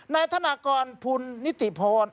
นายธนากรพุนนิติพร